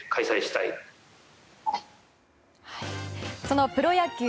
そのプロ野球